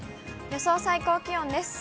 予想最高気温です。